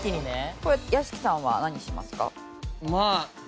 これ屋敷さんは何しますか？